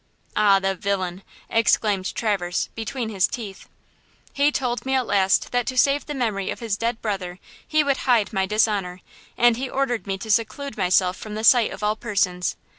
"Ah, the villain!" exclaimed Traverse, between his teeth. "He told me at last that to save the memory of his dead brother he would hide my dishonor, and he ordered me to seclude myself from the sight of all persons.